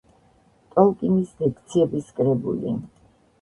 ტოლკინის ლექციების კრებული.